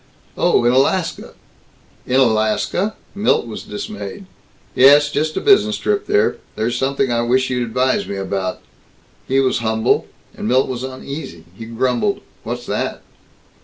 "Oh, in Alaska." "In Alaska?" Milt was dismayed. "Yes, just a business trip there. There's something I wish you'd advise me about." He was humble. And Milt was uneasy. He grumbled, "What's that?"